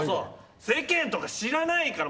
世間とか知らないから！